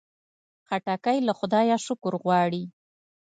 خټکی له خدایه شکر غواړي.